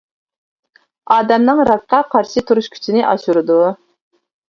ئادەمنىڭ راكقا قارشى تۇرۇش كۈچىنى ئاشۇرىدۇ.